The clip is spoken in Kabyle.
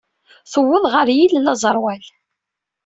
Tewweḍ ɣer yilel aẓerwal.